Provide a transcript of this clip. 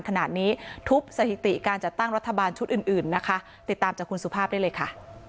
ขณะนี้ทุบสถิติการจัดตั้งรัฐบาลชุดอื่นอื่นนะคะติดตามจากคุณสุภาพได้เลยค่ะ